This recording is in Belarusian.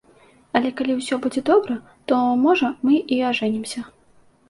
Але калі ўсё будзе добра, то, можа, мы і ажэнімся.